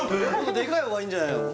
でかい方がいいんじゃないの？